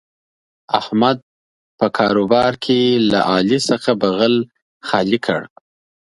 احمد په کاروبار کې له علي څخه بغل خالي کړ.